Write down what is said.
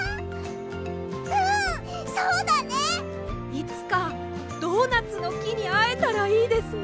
いつかドーナツのきにあえたらいいですね。